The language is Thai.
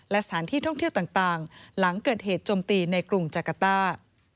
และสถานที่ท่องเที่ยวต่างหลังเกิดเหตุจมตีในกรุงจักรต้า